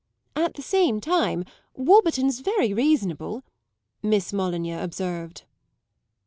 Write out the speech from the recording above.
"At the same time Warburton's very reasonable," Miss Molyneux observed.